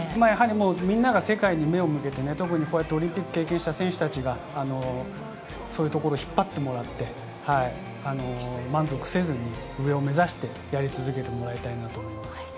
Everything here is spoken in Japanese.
みんなが世界に目を向けて特にオリンピックを経験した選手たちが、そういうところを引っ張ってもらって、満足せずに上を目指してやり続けてもらいたいと思います。